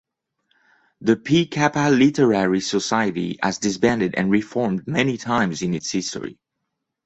The Phi Kappa Literary Society has disbanded and reformed many times in its history.